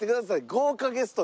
豪華ゲストが。